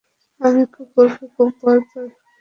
আমি কুকুরকে খুব ভয় পাই।